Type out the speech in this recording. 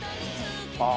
ああ。